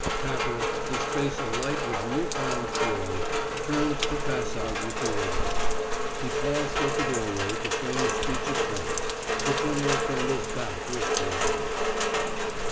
Capper, his face alight with new found joy, turned to pass out with the orderly. He paused at the doorway to frame a speech of thanks, but General Crandall's back was toward him.